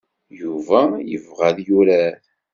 Yuba ibɣa ad yurar.